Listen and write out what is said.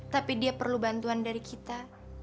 tapi dia perlu bantuan dari kita